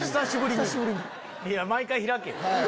いや毎回開けよ！